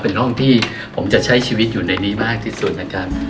เป็นห้องที่ผมจะใช้ชีวิตอยู่ในนี้มากที่สุดนะครับ